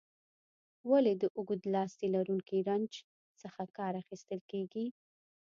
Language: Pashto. ولې د اوږد لاستي لرونکي رنچ څخه کار اخیستل کیږي؟